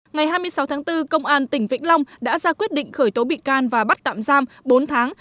ngày hai mươi sáu tháng bốn công an tỉnh vĩnh long đã ra quyết định khởi tố bị can và bắt tạm giam bốn tháng